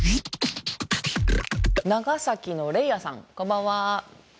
長崎のレイアさんこんばんは。